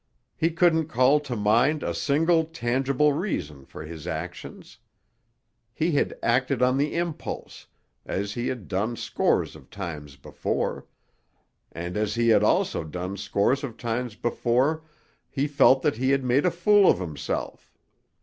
He couldn't call to mind a single tangible reason for his actions. He had acted on the impulse, as he had done scores of times before; and, as he had also done scores of times before, he felt that he had made a fool of himself.